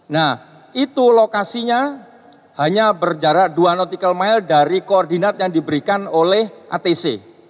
nah itu lokasinya hanya berjarak dua nautical mile dari koordinat yang diberikan oleh atc